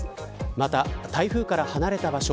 また、台風から離れた場所